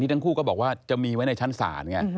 ทั้งคู่ก็บอกว่าจะมีไว้ในชั้นศาลไง